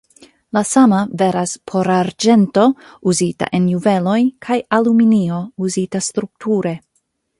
La sama veras por arĝento uzita en juveloj kaj aluminio uzita strukture.